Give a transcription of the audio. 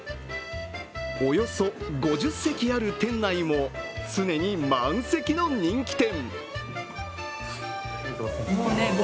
およそ５０席ある店内も常に満席の人気店。